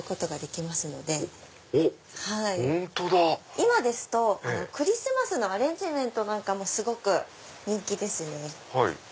今ですとクリスマスのアレンジメントも人気ですね。